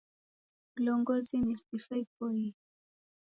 W'ulongozi ni sifa ipoye.